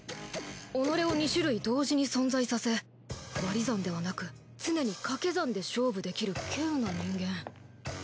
己を２種類同時に存在させ割り算ではなく常に掛け算で勝負できる希有な人間。